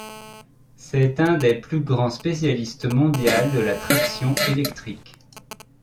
C'est un des plus grands spécialiste mondial de la traction électrique.